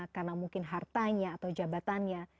karena mungkin hartanya atau jabatannya